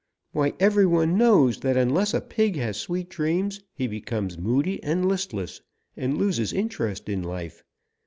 "Why every one knows that unless a pig has sweet dreams he becomes moody and listless, and loses interest in life.